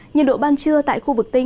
nhiệt độ ban trưa tại khu vực tinh